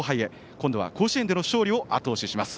今度は甲子園での勝利をあと押しします。